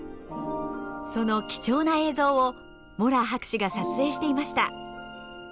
その貴重な映像をモラー博士が撮影していました。